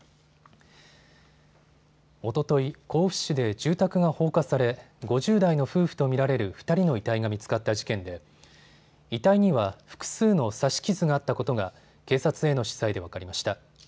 おととい、甲府市で住宅が放火され５０代の夫婦と見られる２人の遺体が見つかった事件で遺体には複数の刺し傷があったことが警察への取材で分かりました。